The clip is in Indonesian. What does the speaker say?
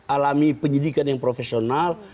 alami penyidikan yang profesional